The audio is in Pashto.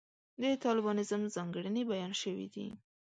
د طالبانیزم ځانګړنې بیان شوې دي.